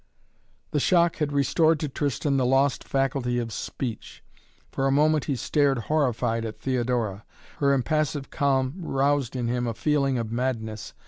The shock had restored to Tristan the lost faculty of speech. For a moment he stared horrified at Theodora. Her impassive calm roused in him a feeling of madness.